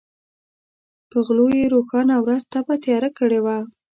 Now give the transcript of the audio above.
په غلو یې روښانه ورځ تپه تیاره کړې وه.